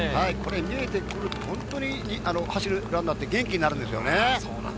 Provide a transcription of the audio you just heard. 見えてくると、本当に走るランナーって元気になるんですよね。